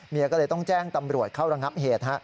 ก็เลยต้องแจ้งตำรวจเข้าระงับเหตุ